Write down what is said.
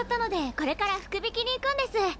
これから福引きに行くんです！